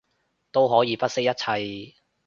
都可以不惜一切